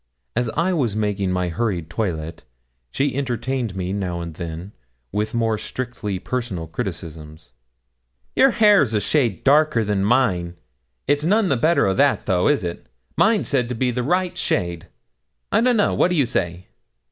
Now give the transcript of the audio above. As I was making my hurried toilet, she entertained me now and then with more strictly personal criticisms. 'Your hair's a shade darker than mine it's none the better o' that though is it? Mine's said to be the right shade. I don't know what do you say?'